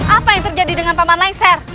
apa yang terjadi dengan paman laisar